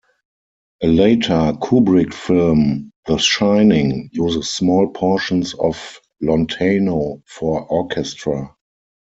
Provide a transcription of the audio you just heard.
A later Kubrick film, "The Shining", uses small portions of "Lontano" for orchestra.